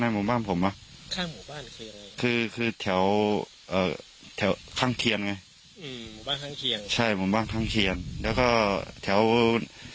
ในห้องโรงสรรค์ก็อีกมันน่าจะใช้ได้